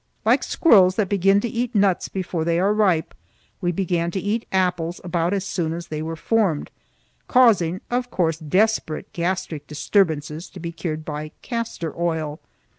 Like squirrels that begin to eat nuts before they are ripe, we began to eat apples about as soon as they were formed, causing, of course, desperate gastric disturbances to be cured by castor oil.